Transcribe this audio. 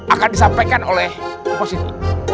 akan disampaikan oleh upositi